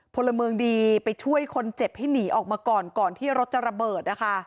พลเมืองดีไปช่วยคนเจ็บให้หนีออกมาก่อนก่อนที่รถจะระเบิดนะคะ